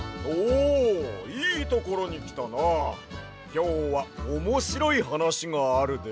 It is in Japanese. きょうはおもしろいはなしがあるで！